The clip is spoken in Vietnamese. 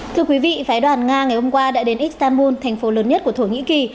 thưa quý vị phái đoàn nga ngày hôm qua đã đến istanbul thành phố lớn nhất của thổ nhĩ kỳ